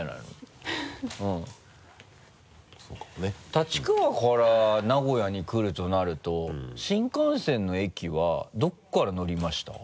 立川から名古屋に来るとなると新幹線の駅はどこから乗りました？